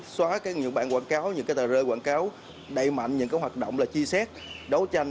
xóa những bản quảng cáo những tờ rơi quảng cáo đầy mạnh những hoạt động chi xét đấu tranh